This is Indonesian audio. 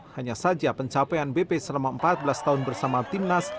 hanya saja pencapaian bp selama empat belas tahun bersama timnas